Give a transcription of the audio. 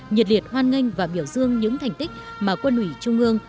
nhiệt liệt hoan nghênh và biểu dương những thành tích mà quân ủy trung ương